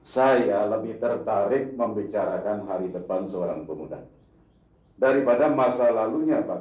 saya lebih tertarik membicarakan hari depan seorang pemuda daripada masa lalunya pak